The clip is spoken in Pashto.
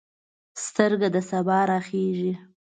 سترګه د سبا راخیژې